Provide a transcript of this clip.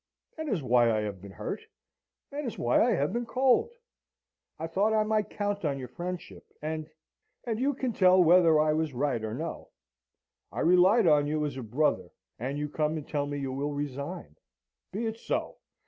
That is why I have been hurt: that is why I have been cold. I thought I might count on your friendship and and you can tell whether I was right or no. I relied on you as on a brother, and you come and tell me you will resign. Be it so!